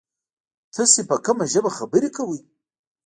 تاسو په کومه ژبه خبري کوی ؟